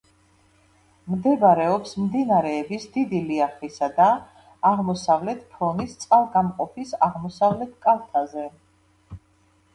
მდებარეობს მდინარეების დიდი ლიახვისა და აღმოსავლეთის ფრონის წყალგამყოფის აღმოსავლეთ კალთაზე.